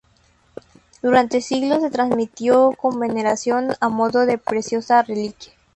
Durante siglos se transmitió con veneración a modo de preciosa reliquia.